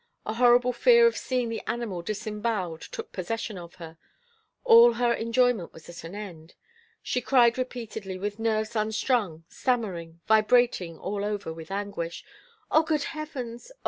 A horrible fear of seeing the animal disemboweled took possession of her; all her enjoyment was at an end. She cried repeatedly, with nerves unstrung, stammering, vibrating all over with anguish: "Oh! good heavens! Oh!